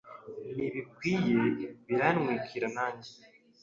Nibikwiye birantwikira nanjye